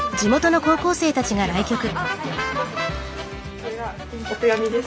これはお手紙です。